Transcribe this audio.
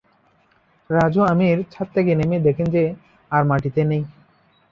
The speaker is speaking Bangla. রাজ ও আমির ছাদ থেকে নেমে দেখেন সে আর মাটিতে নেই।